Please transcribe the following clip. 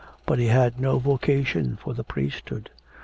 But he had no vocation for the priesthood.